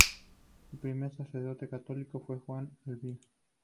El primer Sacerdote católico fue Juan Albino.